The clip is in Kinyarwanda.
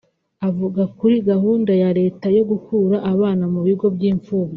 Avuga kuri gahunda ya Leta yo gukura abana mu bigo by’imfubyi